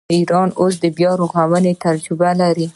ایران اوس د بیارغونې تجربه لري.